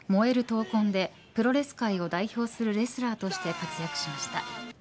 闘魂でプロレス界を代表するレスラーとして活躍しました。